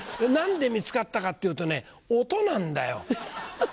何で見つかったかっていうとね音なんだよ。